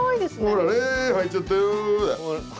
ほらねはいちゃったよだ。